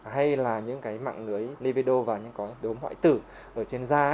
hay là những mạng người nivido và những đốm hoại tử ở trên da